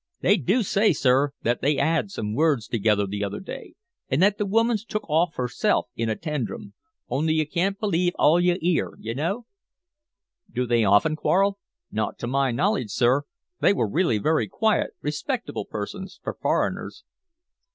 "They do say, sir, that they 'ad some words together the other day, and that the woman's took herself off in a tantrum. Only you can't believe all you 'ear, you know." "Did they often quarrel?" "Not to my knowledge, sir. They were really very quiet, respectable persons for foreigners."